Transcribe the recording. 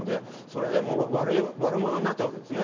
それで悪者になったわけです。